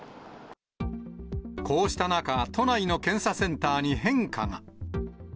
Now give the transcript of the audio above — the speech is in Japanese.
こうした中、都内の検査センターに変化が。